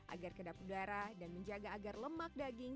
agar kedap udara dan menjaga agar lemak daging